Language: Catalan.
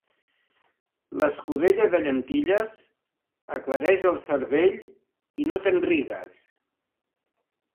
L'escudella de llentilles aclareix el cervell i no te'n rigues.